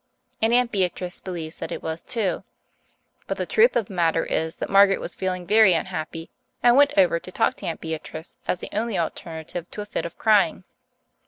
And Aunt Beatrice believes that it was too. But the truth of the matter is that Margaret was feeling very unhappy, and went over to talk to Aunt Beatrice as the only alternative to a fit of crying.